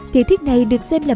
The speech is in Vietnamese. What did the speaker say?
tiểu thuyết này được xem là